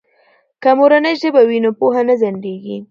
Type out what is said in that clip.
که مورنۍ ژبه وي نو پوهه نه ځنډیږي.